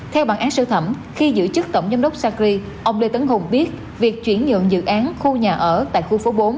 theo bản án sơ thẩm khi giữ chức tổng giám đốc sacri ông lê tấn hùng biết việc chuyển nhượng dự án khu nhà ở tại khu phố bốn